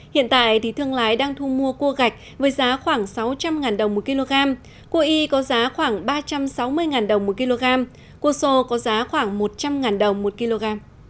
hiện tại thương lái đang thu mua cua gạch với giá khoảng sáu trăm linh đồng một kg cua y có giá khoảng ba trăm sáu mươi đồng một kg cua sô có giá khoảng một trăm linh đồng một kg